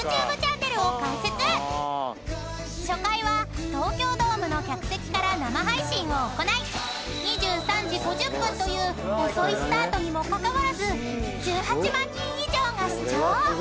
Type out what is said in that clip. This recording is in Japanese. ［初回は東京ドームの客席から生配信を行い２３時５０分という遅いスタートにもかかわらず１８万人以上が視聴］